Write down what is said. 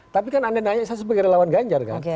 tapi kan anda nanya saya sebagai relawan ganjar kan